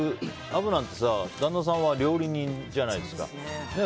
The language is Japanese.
アブなんてさ、旦那さんは料理人じゃないですか。